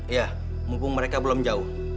ya mumpung mereka belum jauh